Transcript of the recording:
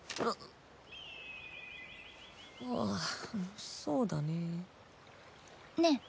あっそうだね。